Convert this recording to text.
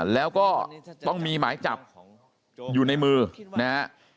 แล้วก็ต้องมีหมายจับอยู่ในมือนะฮะ